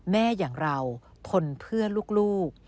อย่างเราทนเพื่อลูก